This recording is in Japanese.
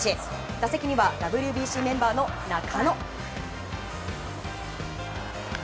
打席にはＷＢＣメンバーの中野。